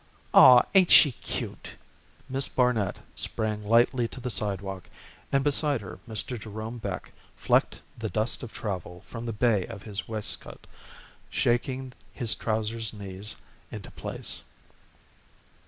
"Aw, ain't she cute?" Miss Barnet sprang lightly to the sidewalk, and beside her Mr. Jerome Beck flecked the dust of travel from the bay of his waistcoat, shaking his trousers knees into place.